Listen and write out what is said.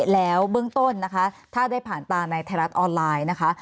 แล้วเบื้องต้นนะคะถ้าได้ผ่านตาในไทยรัฐออนไลน์นะคะ